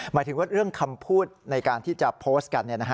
หมายถึงว่าเรื่องคำพูดในการที่จะโพสต์กัน